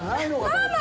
ママ！